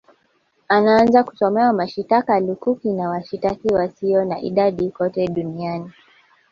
anaanza kusomewa mashitaka lukuki na washitaki wasio na idadi kote Duniani